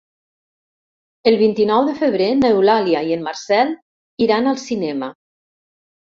El vint-i-nou de febrer n'Eulàlia i en Marcel iran al cinema.